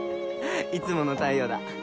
いつもの太陽だ。